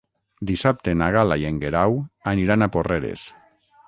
Dissabte na Gal·la i en Guerau aniran a Porreres.